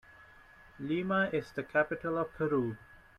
Lima is the capital of Peru.